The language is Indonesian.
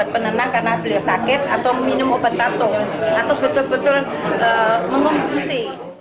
penenang karena beliau sakit atau minum obat patung atau betul betul mengonsumsi